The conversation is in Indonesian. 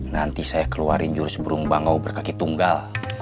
nanti saya keluarin jurus burung bangau berkaki tunggal